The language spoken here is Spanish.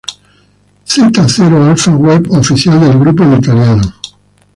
Zeta Zero Alfa web oficial del grupo en italiano.